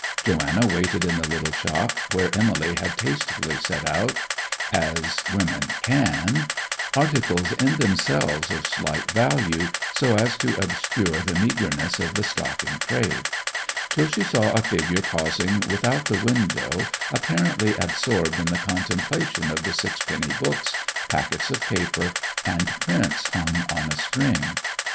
Joanna waited in the little shop, where Emily had tastefully set out—as women can—articles in themselves of slight value, so as to obscure the meagreness of the stock in trade; till she saw a figure pausing without the window apparently absorbed in the contemplation of the sixpenny books, packets of paper, and prints hung on a string.